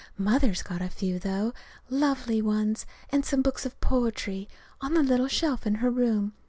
Mother's got a few, though lovely ones and some books of poetry, on the little shelf in her room.